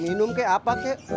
minum kek apa kek